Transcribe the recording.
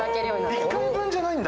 １回分じゃないんだ。